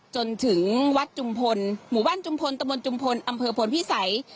จนถึงวัดจุมพลหมู่บ้านจุมพลตะมนจุมพลอำเภอพลพิสัย